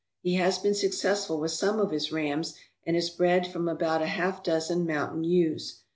He has been successful with some of his rams and has bred from about a half dozen mountain ewes.